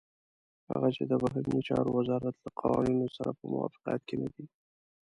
هغه چې د بهرنيو چارو وزارت له قوانينو سره په موافقت کې نه دي.